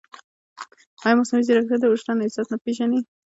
ایا مصنوعي ځیرکتیا د وجدان احساس نه پېژني؟